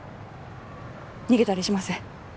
逃げたりしません。